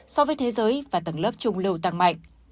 so với thế giới và tầng lớp trung lưu tăng mạnh